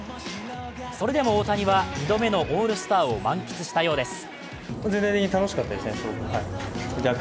それでも大谷は２度目のオールスターを満喫したようです。